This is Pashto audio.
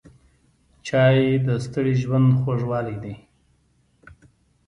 چای د ستړي ژوند خوږوالی دی.